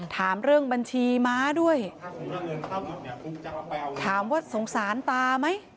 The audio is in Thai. ถามเรื่องบัญชีม้าด้วยถามว่าสงสารตาไหม